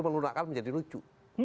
menurut aku menjadi lucu